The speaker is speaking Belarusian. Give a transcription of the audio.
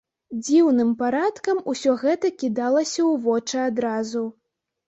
Дзіўным парадкам усё гэта кідалася ў вочы адразу.